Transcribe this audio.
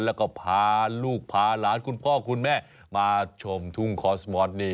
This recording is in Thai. แล้วก็พาลูกพาหลานคุณพ่อคุณแม่มาชมทุ่งคอสมอสนี่